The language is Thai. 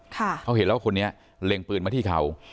เขาเห็นแล้วว่าคนนี้เล็งปืนมาที่เขา